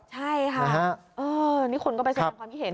ใช่ค่ะนี่คนก็ไปแสดงความคิดเห็น